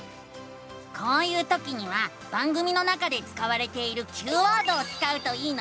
こういうときには番組の中で使われているＱワードを使うといいのさ！